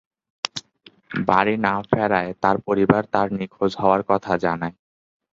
বাড়ি না ফেরায় তার পরিবার তার নিখোঁজ হওয়ার কথা জানায়।